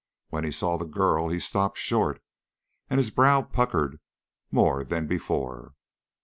When he saw the girl he stopped short, and his brow puckered more than before.